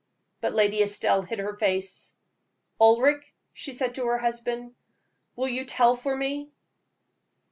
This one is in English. But Lady Estelle hid her face. "Ulric," she said to her husband, "will you tell for me?"